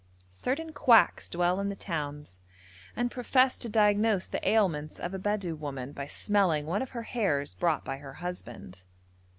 Certain quacks dwell in the towns, and profess to diagnose the ailments of a Bedou woman by smelling one of her hairs brought by her husband.